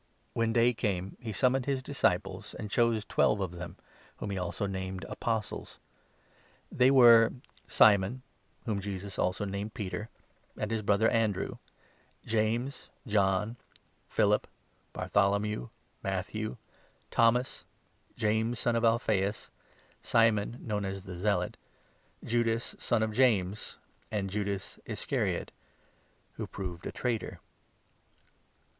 When day came, he summoned his disciples, and 13 chose twelve of them, whom he also named ' Apostles.' They were Simon (whom Jesus also named Peter), and his brother 14 Andrew, James, John, Philip, Bartholomew, Matthew, 15 Thomas, James son of Alphaeus, Simon known as the Zealot, Judas son of James, and Judas Iscariot, who proved a traitor.